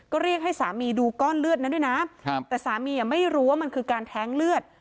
ก็เรียกให้สามีดูก้อนเลือดนั้นด้วยนะแต่สามีไม่รู้ว่ามันคือการแท้งเลือด